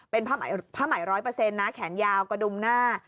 เป็นผ้าใหม่๑๐๐นะแขนยาวกระดุมหน้า